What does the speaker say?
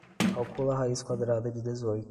Calcula a raiz quadrada de dezoito